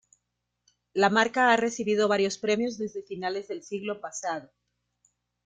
La marca ha recibido varios premios desde finales del siglo pasado.